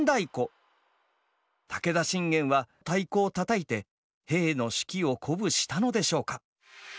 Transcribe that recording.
武田信玄は太鼓をたたいて兵の士気を鼓舞したのでしょうか。